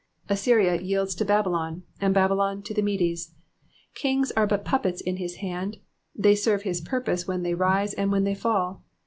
Assyria yields to Babylon, and Babylon to the Medes. Kings are but puppets in his hand ; they serve his purpose when they rise and when they fall.